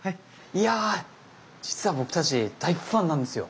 いやぁ実は僕たち大ファンなんですよ。